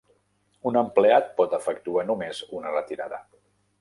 Un empleat pot efectuar només una retirada.